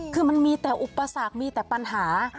คือมันมีแต่อุปสรรคมีแต่ปัญหา